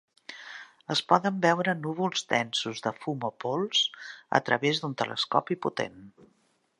Es poden veure núvols densos de fum o pols a través d'un telescopi potent.